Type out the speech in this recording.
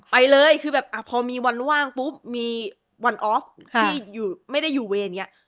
ไปเลยคือแบบพอมีวันว่างปุ๊บมีวันออฟที่ไม่ได้อยู่เวรอย่างนี้